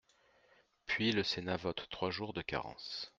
Puis le Sénat vote trois jours de carence.